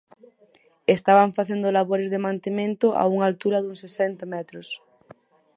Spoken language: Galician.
Estaban facendo labores de mantemento a unha altura duns sesenta metros.